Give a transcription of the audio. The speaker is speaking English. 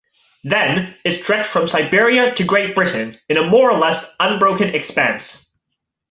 Then, it stretched from Siberia to Great Britain, in a more-or-less unbroken expanse.